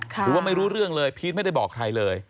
หรือว่าไม่รู้เรื่องเลยพีชไม่ได้บอกใครเลย